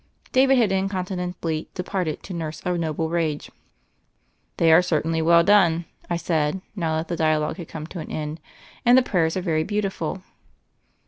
David had incontinently departed to nurse a noble rage. "They are certainly well done," I said, now that the dialogue had come to an end, "and the prayers are very beautiful."